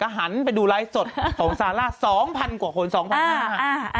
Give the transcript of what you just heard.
หันไปดูไลฟ์สดของซาร่าสองพันกว่าคนสองพันห้าอ่า